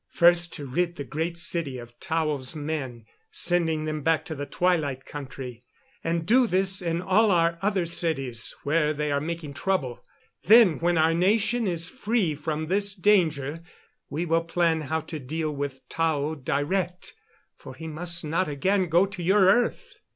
"First, to rid the Great City of Tao's men, sending them back to the Twilight Country; and do this in all our other cities where they are making trouble. Then, when our nation is free from this danger, we will plan how to deal with Tao direct, for he must not again go to your earth.